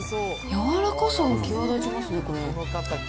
柔らかさが際立ちますね、これ。